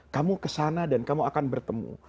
kamu kesana dan kamu akan bertemu